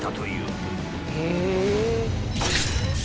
へえ！